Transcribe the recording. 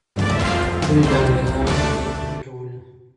دوی د انګریزانو قبرونه لټولې.